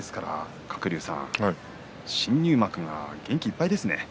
鶴竜さん、新入幕が元気いっぱいですね。